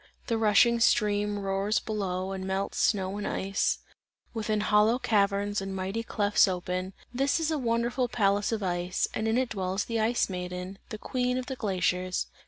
The rushing stream roars below and melts snow and ice; within, hollow caverns and mighty clefts open, this is a wonderful palace of ice, and in it dwells the Ice Maiden, the Queen of the glaciers.